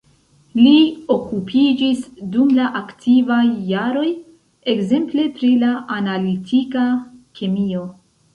Li okupiĝis dum la aktivaj jaroj ekzemple pri la analitika kemio.